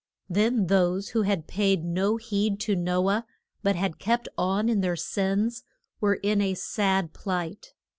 Then those who had paid no heed to No ah, but had kept on in their sins, were in a sad plight.